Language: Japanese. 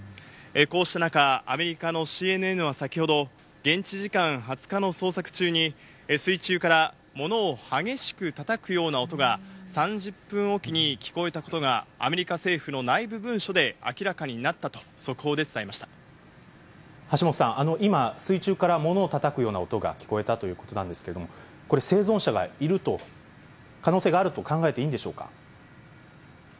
こうした中、アメリカのＣＮＮは先ほど、現地時間２０日の捜索中に、水中からものを激しくたたくような音が３０分おきに聞こえたことが、アメリカ政府の内部文書で明らかになったと、橋本さん、今、水中からものをたたくような音が聞こえたということなんですけれども、これ、生存者がいると、可能性があると考えていいんでしょうか。